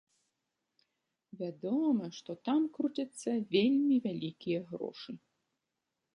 Вядома, што там круцяцца вельмі вялікія грошы.